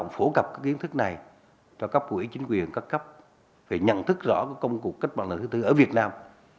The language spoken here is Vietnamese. phổ cập các kiến thức này cho các quỹ chính quyền các cấp phải nhận thức rõ công cụ cách mạng lợi thứ tư ở việt nam